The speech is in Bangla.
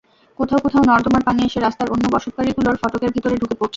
কোথাও কোথাও নর্দমার পানি এসে রাস্তার অন্য বসতবাড়িগুলোর ফটকের ভেতরে ঢুকে পড়ছে।